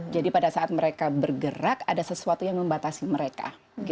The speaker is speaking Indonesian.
jadi pada saat mereka bergerak ada sesuatu yang membatasi mereka